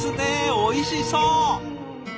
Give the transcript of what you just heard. おいしそう！